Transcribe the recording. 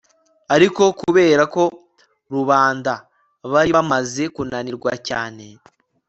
ariko kubera ko rubanda bari bamaze kunanirwa cyane